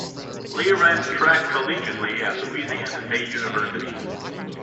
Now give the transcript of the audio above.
Lee ran track collegiately at Louisiana State University.